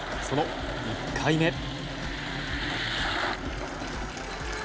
その１回目。